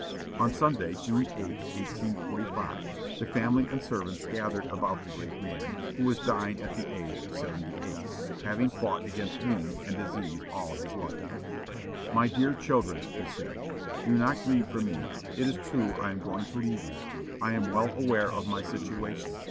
On Sunday, June 8, 1845, the family and servants gathered about the great man, who was dying at the age of seventy eight, having fought against wounds and disease all his life. "My dear children," he said, "do not grieve for me; it is true I am going to leave you; I am well aware of my situation.